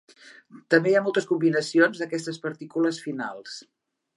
També hi ha moltes combinacions d'aquestes partícules finals.